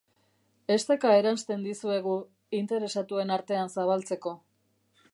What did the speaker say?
Esteka eransten dizuegu interesatuen artean zabaltzeko.